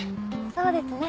そうですね。